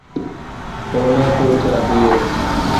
ہونا تو چاہیے۔